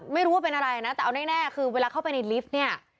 ไม่รู้ว่าเป็นอะไรนะแต่เอาแน่คือเวลาเข้าไปในลิฟต์เนี่ย